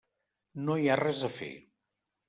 No hi ha res a fer.